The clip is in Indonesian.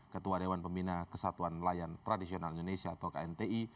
ketua dewan pembina kesatuan nelayan tradisional indonesia atau knti